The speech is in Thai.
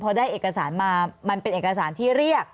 พอได้เอกสารมามันเป็นเอกสารที่เรียก